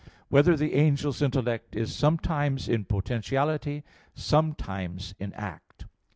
1] Whether the Angel's Intellect Is Sometimes in Potentiality, Sometimes in Act?